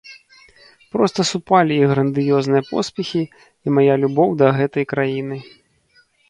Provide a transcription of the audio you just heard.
Проста супалі іх грандыёзныя поспехі і мая любоў да гэтай краіны.